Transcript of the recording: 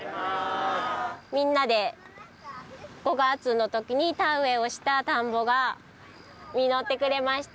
みんなで５月のときに田植えをした田んぼが実ってくれました。